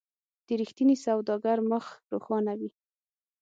د رښتیني سوداګر مخ روښانه وي.